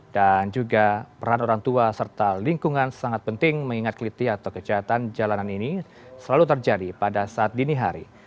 dan juga peran orang tua serta lingkungan sangat penting mengingat kelitih atau kejahatan jalanan ini selalu terjadi pada saat dini hari